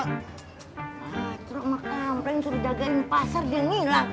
ah truk mak kampen suruh jagain pasar dia nih lah